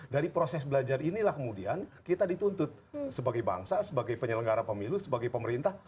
dari proses belajar inilah kemudian kita dituntut sebagai bangsa sebagai penyelenggara pemilu sebagai pemerintah